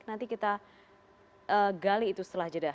nanti kita gali itu setelah jeda